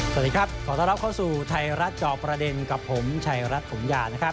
สวัสดีครับขอต้อนรับเข้าสู่ไทยรัฐจอบประเด็นกับผมชัยรัฐถมยานะครับ